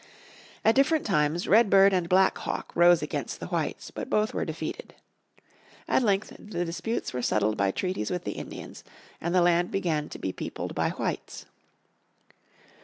At different times Red Bird and Black Hawk rose against the whites, but both were defeated. At length the disputes were settled by treaties with the Indians and the land began to be peopled by whites.